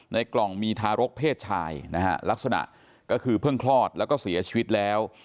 กล่องมีทารกเพศชายนะฮะลักษณะก็คือเพิ่งคลอดแล้วก็เสียชีวิตแล้ว